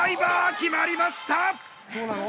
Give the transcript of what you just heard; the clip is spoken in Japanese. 決まりました！